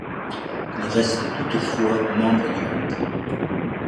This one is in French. Il reste toutefois membre du groupe.